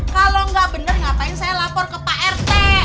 kalau nggak bener ngapain saya lapor ke pak rt